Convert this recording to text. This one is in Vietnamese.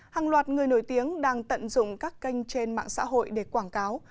hàng loạt người nổi tiếng đang tận dụng các kênh trên mạng xã hội để quảng cáo